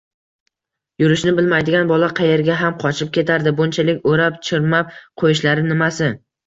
Yurishni bilmaydigan bola, qaerga ham qochib ketardi, bunchalik o`rab-chirmab qo`yishlari nimasi